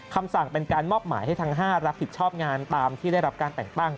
คำสั่งเป็นการมอบหมายให้ทั้ง๕รับผิดชอบงานตามที่ได้รับการแต่งตั้ง